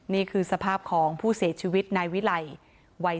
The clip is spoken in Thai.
นี่คือสภาพของผู้เสียชีวิตนายวิไลวัย